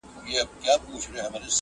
څوك به اخلي د پېړيو كساتونه.!